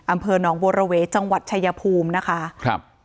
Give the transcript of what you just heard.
อำเภอหนองบัวระเวจังหวัดชายภูมินะคะครับ